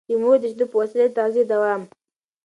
د مور د شېدو په وسيله د تغذيې دوام